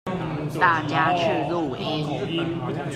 大家去錄音